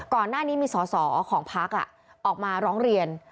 ก่อนหน้านี้มีสอสอของพักออกมาร้องเรียน